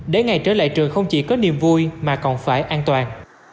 để ngày trở lại trường không chỉ có niềm vui mà còn phải an toàn